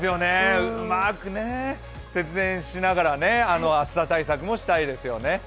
うまく節電しながら暑さ対策もしたいですよね。